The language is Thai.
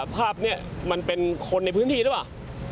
ภาพนี้มันเป็นคนในพื้นที่หรือเปล่า